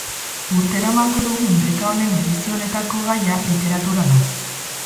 Urtero emango dugun beka honen edizio honetako gaia literatura da.